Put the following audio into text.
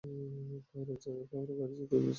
কাউরে বাইরে যেতে দেখসিলেন?